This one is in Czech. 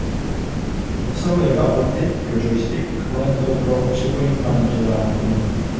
Obsahuje dva porty pro joystick a konektor pro připojení paměťového modulu.